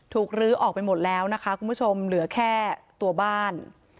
ลื้อออกไปหมดแล้วนะคะคุณผู้ชมเหลือแค่ตัวบ้าน